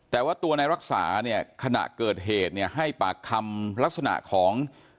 แต่ว่าตัวในรักษาเนี่ยขณะเกิดเหตุเนี่ยให้ปากคำลักษณะของ